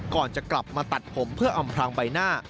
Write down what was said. ก่อนจะกลับมาตัดผมเพื่ออำพลางใบหน้า